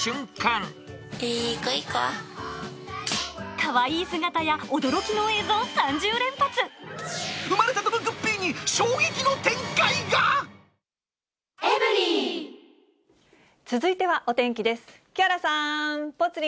かわいい姿や驚きの映像３０生まれたてのグッピーに衝撃続いてはお天気です。